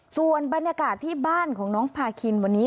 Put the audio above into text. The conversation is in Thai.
ส่วนบรรยากาศที่บ้านของน้องพาคินวันนี้